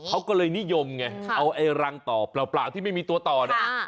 เขาก็เลยนิยมไงเอาไอ้รังต่อเปล่าที่ไม่มีตัวต่อเนี่ย